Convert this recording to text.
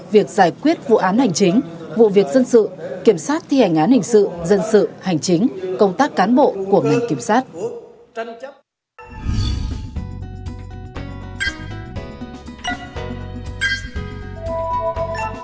việc giải quyết vụ án hành chính vụ việc dân sự kiểm soát thi hành án hình sự dân sự hành chính công tác cán bộ của ngành kiểm sát